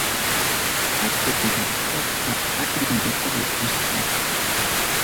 Hatun ankaqa, allin yaku pisqum.